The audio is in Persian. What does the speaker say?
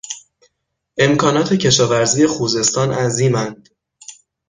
امکانات کشاورزی خوزستان عظیماند.